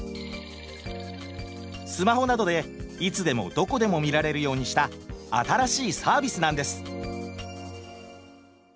スマホなどでいつでもどこでも見られるようにした新しいサービスなんです。